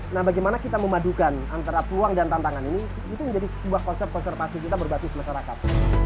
nah bagaimana kita memadukan antara peluang dan tantangan ini itu menjadi sebuah konsep konservasi kita berbasis masyarakat